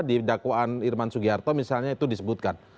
di dakwaan irman sugiharto misalnya itu disebutkan